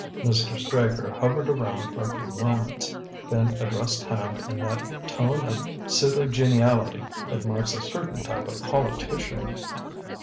Mr. Straker hovered around for a few moments, then addressed Hand in that tone of pseudo geniality that marks a certain type of politician.